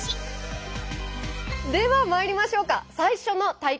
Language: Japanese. ではまいりましょうか。